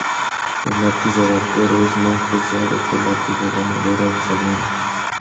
El "látigo vaquero" es más pesado que el látigo ganadero australiano.